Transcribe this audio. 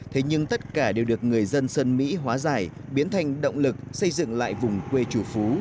thế nhưng tất cả đều được người dân sơn mỹ hóa giải biến thành động lực xây dựng lại vùng quê chủ phú